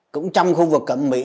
cũng trong khu vực cẩm mỹ